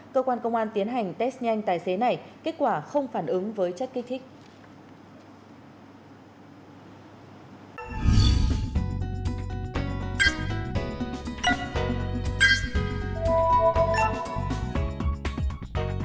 cơ quan công an tiến hành test nhanh tài xế này kết quả không phản ứng với chất kích thích